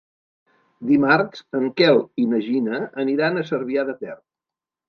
Dimarts en Quel i na Gina aniran a Cervià de Ter.